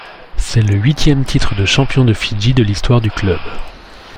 C'est le huitième titre de champion de Fidji de l'histoire du club.